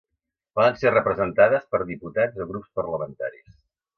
Poden ser presentades per diputats o grups parlamentaris.